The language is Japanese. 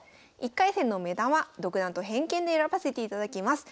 １回戦の目玉独断と偏見で選ばせていただきます。